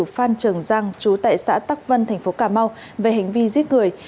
phan trường giang chú tại xã tắc vân tp cà mau về hành vi giết người